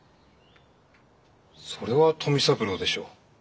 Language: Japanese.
それは富三郎でしょう。